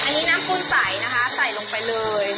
อันนี้น้ำปูนใสนะคะใส่ลงไปเลย